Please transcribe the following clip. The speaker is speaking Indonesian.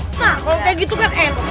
nah kalau kayak gitu kan enak